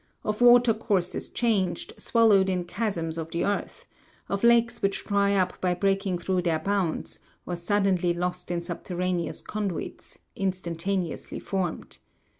Of water courses changed, swallowed in chasms of the earth ; of lakes which dry up by breaking through their bounds, or suddenly lost in subterraneous conduits, instantaneously formed.